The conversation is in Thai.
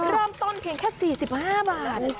เริ่มต้นเพียงแค่๔๕บาท